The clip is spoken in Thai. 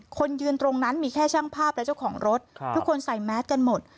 คนยืนตรงนั้นมีแค่ช่างภาพและเจ้าของรถทุกคนใส่แมสกันหมด